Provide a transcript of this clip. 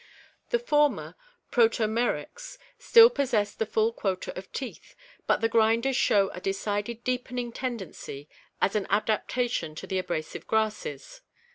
The former, Prototneryx, still possessed the full quota of teeth, but the grinders show a decided deepening tendency as an adaptation to the abrasive grasses.